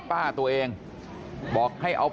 สวัสดีครับคุณผู้ชาย